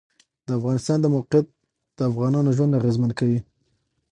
د افغانستان د موقعیت د افغانانو ژوند اغېزمن کوي.